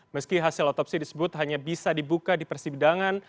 meski hasil otopsi disebut hanya bisa dibuka di persidangan